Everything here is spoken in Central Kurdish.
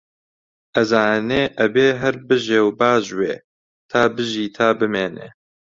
ئەزانێ ئەبێ هەر بژێ و باژوێ، تا بژی تا بمێنێ